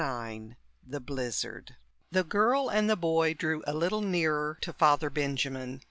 9: THE BLIZZARD The girl and the boy drew a little nearer to Father Benjamin.